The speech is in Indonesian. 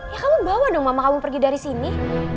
ya kamu bawa dong mama kamu pergi dari sini